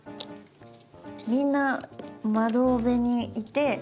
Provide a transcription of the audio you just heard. みんな窓辺にいて。